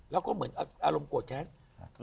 แล้วก็เหมือนอารมณ์โกรธแค้น